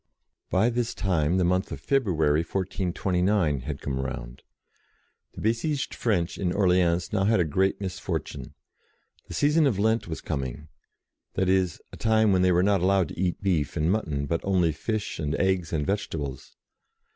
By this time the month of February 1429 had come round. The besieged French in Orleans had now a great misfortune. The season of Lent was coming ; that is, a time when they were not allowed to eat beef and mutton, but only fish, and eggs, and vegetables.